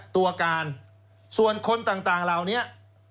ตัวการส่วนคนต่างต่างเราเนี้ย